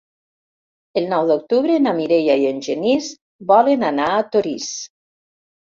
El nou d'octubre na Mireia i en Genís volen anar a Torís.